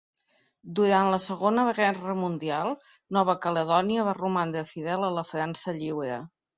Durant la Segona Guerra Mundial Nova Caledònia va romandre fidel a la França Lliure.